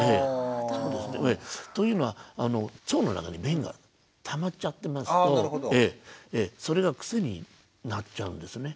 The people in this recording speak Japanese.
というのは腸の中に便がたまっちゃってますとそれが癖になっちゃうんですね。